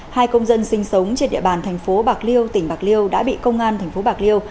hai công dân sinh sống trên địa bàn tp bạc liêu tỉnh bạc liêu đã bị công an tp bạc liêu